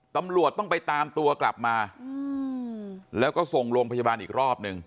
ตำรวจต้องไปตามตัวกลับมาแล้วก็ส่งโรงพยาบาลอีกรอบหนึ่ง